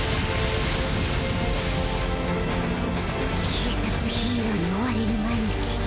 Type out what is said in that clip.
警察・ヒーローに追われる毎日